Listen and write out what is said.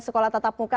sekolah tatap muka